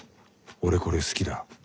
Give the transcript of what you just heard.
俺これ好きだ。